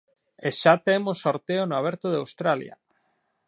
E xa temos sorteo no Aberto de Australia.